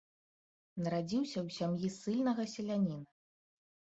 Нарадзіўся ў сям'і ссыльнага селяніна.